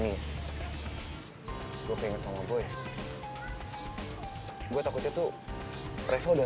berhenti kau kok enggak enak hati ini hai keinget sama gue gue takutnya tuh reza udah